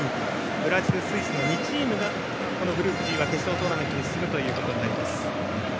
ブラジル、スイスの２チームがグループＧは決勝トーナメントに進むということになります。